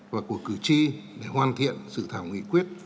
và của cử tri để hoàn thiện dự thảo nghị quyết